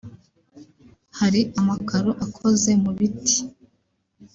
Hari amakaro akoze mu biti